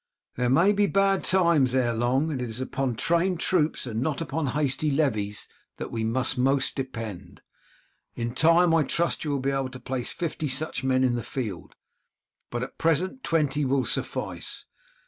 There may be bad times ere long, and it is upon trained troops and not upon hasty levies that we must most depend. In time I trust you will be able to place fifty such men in the field, but at present twenty will suffice.